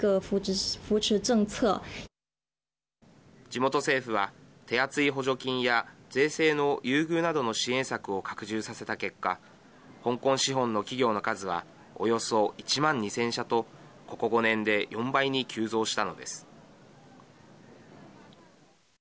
地元政府は、手厚い補助金や税制の優遇などの支援策を拡充させた結果香港資本の企業の数はおよそ１万２０００社とここ５年で４倍に急増したのです。